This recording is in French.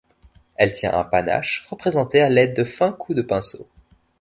Elle tient un panache, représenté à l'aide de fins coups de pinceau.